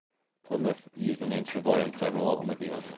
Plymouth used the name Savoy on several automobiles.